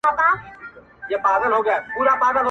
چي بابا سخت ناروغ دئ